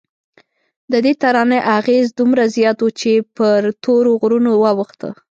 ددې ترانې اغېز دومره زیات و چې پر تورو غرونو واوښته.